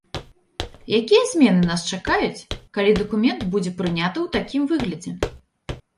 Якія змены нас чакаюць, калі дакумент будзе прыняты ў такім выглядзе?